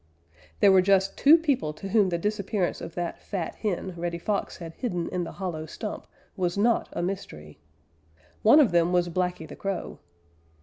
_ There were just two people to whom the disappearance of that fat hen Reddy Fox had hidden in the hollow stump was not a mystery. One of them was Blacky the Crow.